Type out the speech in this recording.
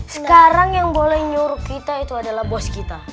sekarang yang boleh nyuruh kita itu adalah bos kita